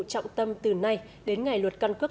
trọng tâm từ nay đến ngày luật căn cước